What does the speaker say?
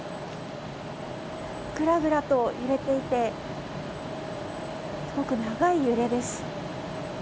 ぐらぐらと揺れていてすごく長い揺れです。